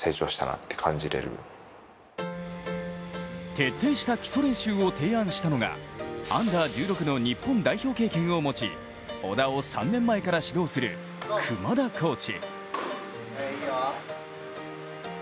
徹底した基礎練習を提案したのがＵ−１６の日本代表経験を持ち小田を３年前から指導する熊田コーチ。